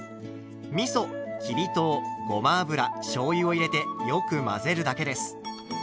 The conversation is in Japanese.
みそきび糖ごま油しょうゆを入れてよく混ぜるだけです。